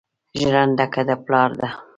ژرنده که د پلار ده